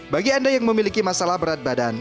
bagi anda yang memiliki masalah berat badan